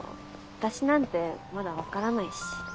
私なんてまだ分からないし。